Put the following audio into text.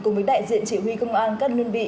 cùng với đại diện chỉ huy công an các đơn vị